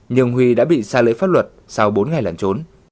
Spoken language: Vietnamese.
nhưng huy đã bị xa lễ pháp luật sau bốn ngày lẩn trốn